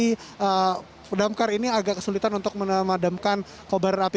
karena damkar ini agak kesulitan untuk memadamkan kobaran api